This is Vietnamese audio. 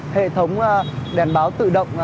hệ thống đèn báo tự động